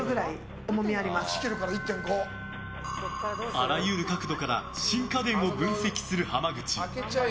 あらゆる角度から新家電を分析する浜口。